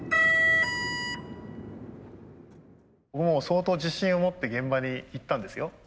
もう相当自信を持って現場に行ったんですよ。